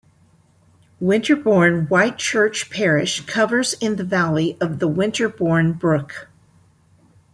Winterborne Whitechurch parish covers in the valley of the Winterborne brook.